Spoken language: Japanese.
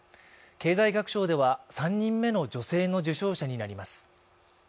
経済学賞では３人目の女性の受賞者になります。